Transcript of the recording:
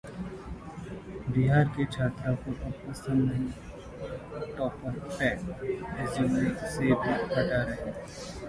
बिहार के छात्रों को अब पसंद नहीं 'टॉपर टैग', रेज्यूमे से भी हटा रहे